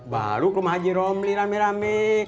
baru ke rumah haji romli rame rame